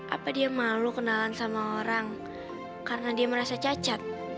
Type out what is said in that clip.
apa dia malu kenalan sama orang karena dia merasa cacat